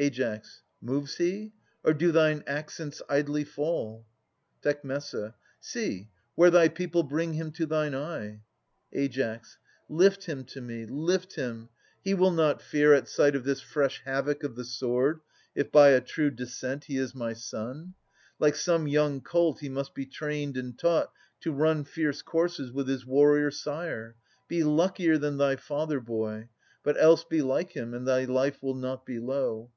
Ai. Moves he ? or do thine accents idly fall ? Tec. See, where thy people bring him to thine eye. Ai. Lift him to me : lift him ! He will not fear At sight of this fresh havoc of the sword, If by a true descent he is my son. Like some young colt he must be trained and taught To run fierce courses with his warrior sire. Be luckier than thy father, boy! but else Be like him, and thy life will not be low.